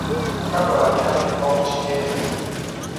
Nakato alina ebbwa ku kigele kye.